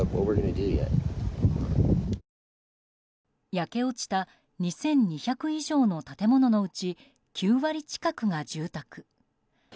焼け落ちた２２００以上の建物のうち９割近くが住宅。